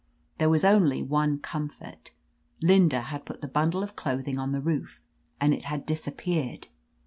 There was only one comfort: Linda had put the bundle of clothing on the roof, and it had disappeared.